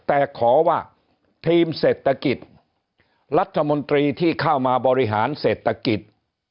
แต่ขอว่าทีมเศรษฐกิจรัฐมนตรีที่เข้ามาบริหารเศรษฐกิจ